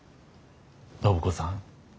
暢子さん